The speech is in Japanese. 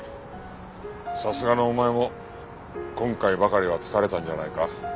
さすがのお前も今回ばかりは疲れたんじゃないか？